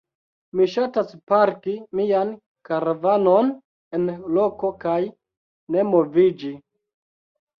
Mi ŝatas parki mian karavanon en loko kaj ne moviĝi.